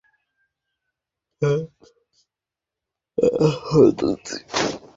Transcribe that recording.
আগের কমিটির দপ্তর সম্পাদক আব্দুল মান্নান খান এবার সভাপতিমণ্ডলীতে স্থান পেয়েছেন।